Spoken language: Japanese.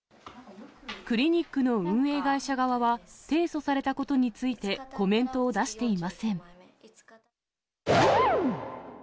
クリニックの運営会社側は、提訴されたことについてコメントを出していません。